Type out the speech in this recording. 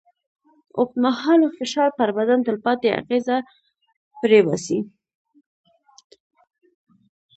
اوږدمهاله فشار پر بدن تلپاتې اغېزه پرېباسي.